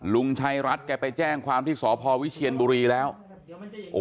ลุงชัยรัฐแกไปแจ้งความที่สพวิเชียนบุรีแล้วโอ้โห